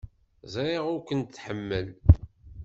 Ẓriɣ ur ken-tḥemmel.